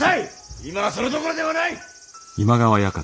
今はそれどころではない！